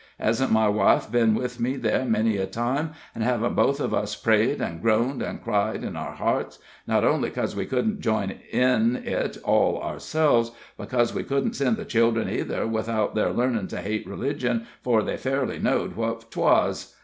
Hezn't my wife ben with me there many a time, and hevn't both of us prayed an' groaned an' cried in our hearts, not only 'cos we couldn't join in it all ourselves, but 'cos we couldn't send the children either, without their learnin' to hate religion 'fore they fairly know'd what 'twas?